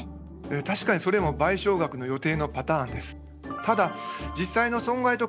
確かにそれも賠償額の予定のパターンです。